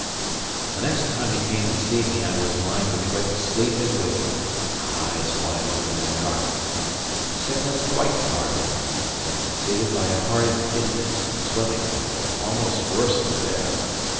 The next time he came to see me, I was lying betwixt sleep and waking, my eyes wide open in the darkness, the sickness quite departed, but succeeded by a horrid giddiness and swimming that was almost worse to bear.